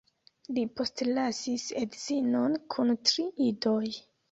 Li postlasis edzinon kun tri idoj.